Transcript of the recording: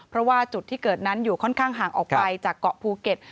เพราะว่าจุดที่เกิดนั้นอยู่ค่อนข้างห่างออกไปจากเกาะภูเก็ต